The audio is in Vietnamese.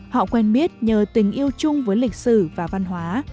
họ quen biết nhờ tình yêu chung với lịch sử và văn hóa